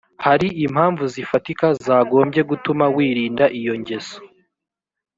hari impamvu zifatika zagombye gutuma wirinda iyo ngeso